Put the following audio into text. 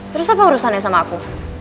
terus apa urusannya sama aku